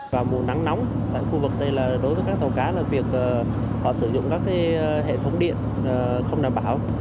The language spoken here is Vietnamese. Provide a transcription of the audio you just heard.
vào mùa nắng nóng tại khu vực đây là đối với các tàu cá là việc họ sử dụng các hệ thống điện không đảm bảo